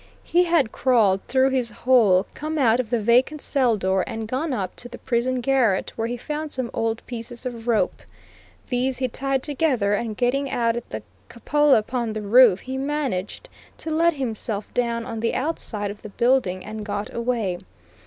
He had crawled through his hole, come out of the vacant cell door, and gone up to the prison garret, where he found some old pieces of rope. These he tied together, and getting out at the cupola upon the roof, he managed to let himself down on the outside of the building and got away.